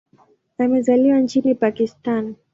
Amezaliwa nchini Pakistan.